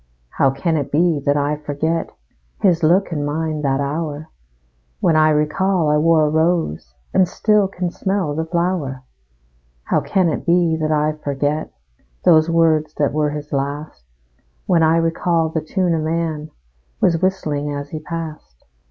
How can it be that I forget His look and mein that hour, When I recall I wore a rose, And still can smell the flower? How can it be that I forget Those words that were his last, When I recall the tune a man Was whistling as he passed?